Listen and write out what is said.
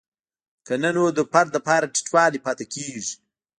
که نه نو د فرد لپاره ټیټوالی پاتې کیږي.